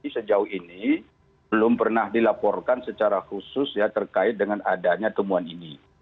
sejauh ini belum pernah dilaporkan secara khusus ya terkait dengan adanya temuan ini